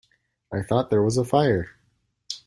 I thought there was a fire.